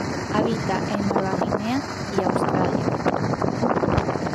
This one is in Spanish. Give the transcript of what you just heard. Habita en Nueva Guinea y Australia.